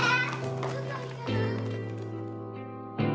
どこ行くの？